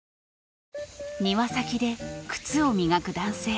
庭先で靴を磨く男性。